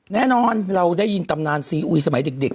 แน่นอนเราได้ยินตำนานซีอุยสมัยเด็ก